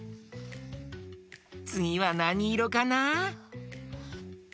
つぎはなにいろかな？